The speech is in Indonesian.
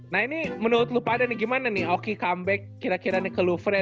nah ini menurut lu pada nih gimana nih oki comeback kira kira nih ke lufre ya